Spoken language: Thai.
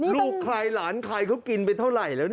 ลูกคลายหลานคลายเขากินไปเท่าไหร่